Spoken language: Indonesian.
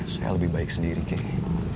saya lebih baik sendiri kini